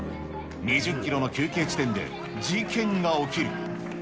２０キロの休憩地点で事件が起きる。